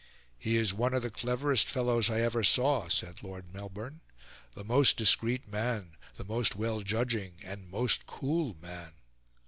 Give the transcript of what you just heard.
"He is one of the cleverest fellows I ever saw," said Lord Melbourne, "the most discreet man, the most well judging, and most cool man."